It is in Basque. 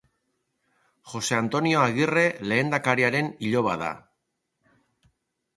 Jose Antonio Agirre lehendakariaren iloba da.